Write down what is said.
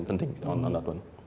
jadi itu lumayan penting